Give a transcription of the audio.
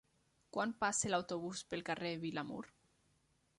Quan passa l'autobús pel carrer Vilamur?